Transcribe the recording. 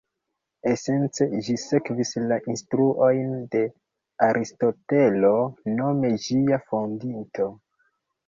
Esence, ĝi sekvis la instruojn de Aristotelo, nome ĝia fondinto.